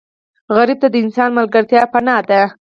سوالګر ته د انسان ملګرتیا پناه ده